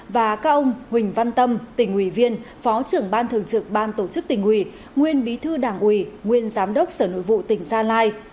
và các ông huỳnh văn tâm tỉnh ủy viên phó trưởng ban thường trực ban tổ chức tỉnh ủy nguyên bí thư đảng ủy nguyên giám đốc sở nội vụ tỉnh gia lai